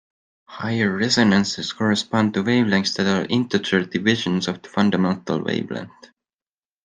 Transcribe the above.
Higher resonances correspond to wavelengths that are integer divisions of the fundamental wavelength.